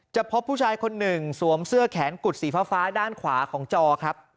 พบผู้ชายคนหนึ่งสวมเสื้อแขนกุดสีฟ้าด้านขวาของจอครับ